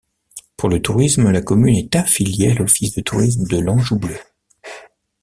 Pour le tourisme, la commune est affiliée à l'Office de Tourisme de l'Anjou bleu.